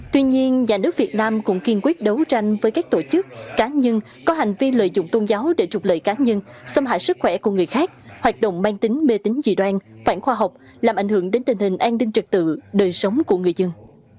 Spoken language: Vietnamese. tuy nhiên nhà nước việt nam cũng kiên quyết đấu tranh với các tổ chức cá nhân có hành vi lợi dụng tôn giáo để trục lợi cá nhân xâm hại sức khỏe của người khác hoạt động mang tính mê tính dị đoan phản khoa học làm ảnh hưởng đến tình hình an ninh trật tự đời sống của người dân